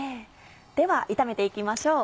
では炒めて行きましょう。